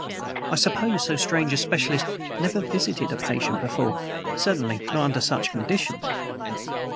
I suppose so strange a specialist never visited a patient before certainly not under such conditions.